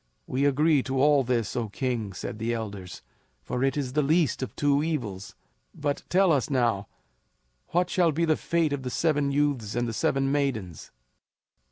"We agree to all this, O King," said the elders; "for it is the least of two evils. But tell us now, what shall be the fate of the seven youths and the seven maidens?"